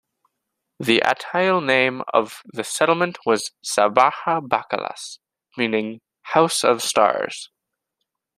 The Atayal name of the settlement was Sabaha Bakalas, meaning "house of stars".